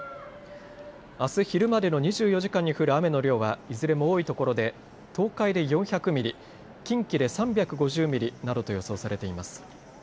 あす昼までの２４時間に降る雨の量はいずれも多いところで東海で４００ミリ、近畿で３５０ミリなどと予想されています。